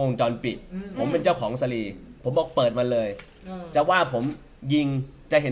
สิ่งที่กูกระทำลงไปเนี่ยไม่มีแน่นอน